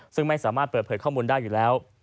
ซึ่งไม่สามารถเปิดเผยข้อมูลได้อยู่แล้ว